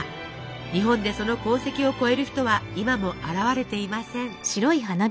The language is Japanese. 日本でその功績を超える人は今も現れていません。